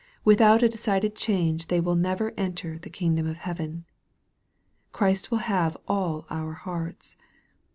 Without a decided change they will never enter the kingdom of heaven. Christ will have all our hearts.